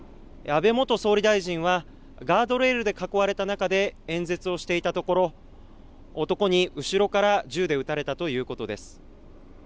安倍元総理大臣は、ガードレールで囲われた中で、演説をしていたところ、男に後ろから銃で撃たれたということです。